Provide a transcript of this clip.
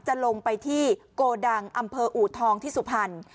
จะลงไปที่โกดังอำเภออูทองที่สุพรรณ